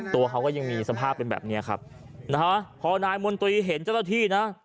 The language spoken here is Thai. ตัวเขาก็ยังมีสภาพเป็นแบบนี้ครับนะฮะพอนายมนตรีเห็นเจ้าหน้าที่นะ